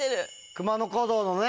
熊野古道のね。